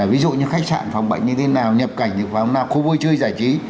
ví dụ như khách sạn phòng bệnh như thế nào nhập cảnh thì phòng nào khu vui chơi giải trí